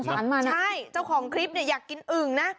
ใช่เจ้าของคลิปเนี่ยอยากกินอึ่งนะ